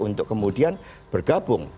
untuk kemudian bergabung